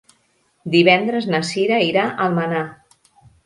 Divendres na Sira irà a Almenar.